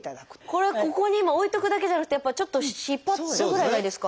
これここに置いとくだけじゃなくてちょっと引っ張るぐらいがいいですか？